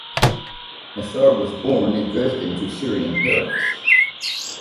Nasr was born in Dresden to Syrian parents.